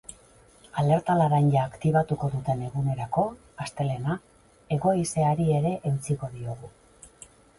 Alerta laranja aktibatuko duten egunerako, astelehena, hego haizeari ere eutsiko diogu.